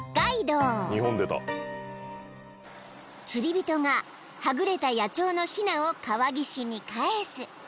［釣り人がはぐれた野鳥のひなを川岸に返す］